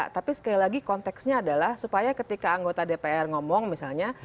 tapi sekali lagi konteksnya adalah supaya ketika anggota dpr ngomong misalnya